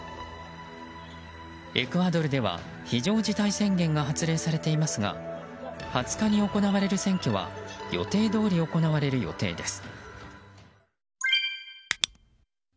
エクアドルでは非常事態宣言が発令されていますが２０日に行われる選挙は予定どおり行われる予定です。